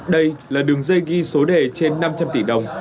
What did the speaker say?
đây là đường dây ghi số đề trên năm trăm linh tỷ đồng